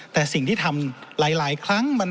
แต่สิ่งที่ทำหลายครั้ง